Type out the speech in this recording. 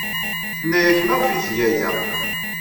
Tenna-ak maɣef ay tga aya?